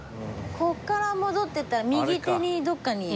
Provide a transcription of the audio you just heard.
ここから戻っていったら右手にどこかに。